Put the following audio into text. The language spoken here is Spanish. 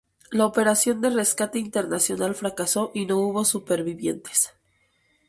La operación de rescate internacional fracasó y no hubo supervivientes.